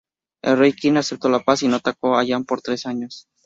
El rey Qin acepto la paz y no atacó a Yan por tres años.